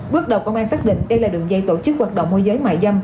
bước đầu công an xác định đây là đường dây tổ chức hoạt động môi giới mại dâm